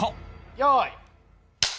用意。